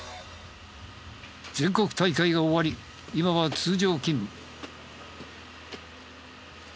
全国大会が終わり今は通常勤務。